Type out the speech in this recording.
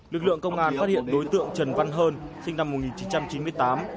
lực lượng công an phát hiện đối tượng trần văn hơn sinh năm một nghìn chín trăm chín mươi tám